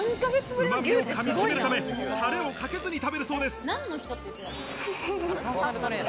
うま味を噛みしめるため、タレをかけずに食べるそうです。